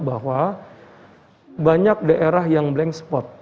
bahwa banyak daerah yang blank spot